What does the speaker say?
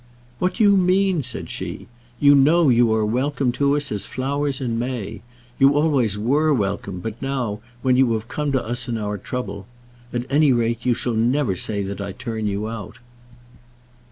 "What do you mean?" said she. "You know you are welcome to us as flowers in May. You always were welcome; but now, when you have come to us in our trouble At any rate, you shall never say that I turn you out."